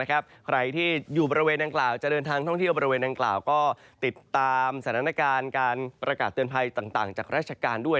ใครที่อยู่บริเวณดังกล่าวจะเดินทางท่องเที่ยวบริเวณดังกล่าวก็ติดตามสถานการณ์การประกาศเตือนภัยต่างจากราชการด้วย